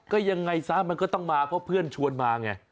ก็ยังไงซะมันก็ต้องมาเพราะเพื่อนชวนมาไง